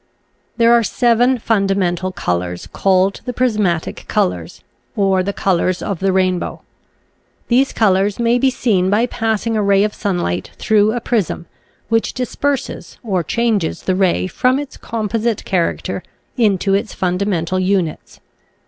There are seven fundamental colors called the prismatic colors, or the colors of the rain bow. These colors may be seen by passing a ray of sunlight through a prism, which dis perses or changes the ray from its composite character into its fundamental units.